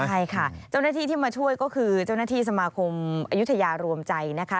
ใช่ค่ะเจ้าหน้าที่ที่มาช่วยก็คือเจ้าหน้าที่สมาคมอายุทยารวมใจนะคะ